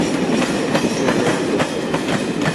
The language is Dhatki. اٿي هليا.